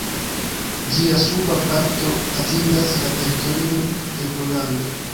Ĝia suba parto atingas la teritorion de Pollando.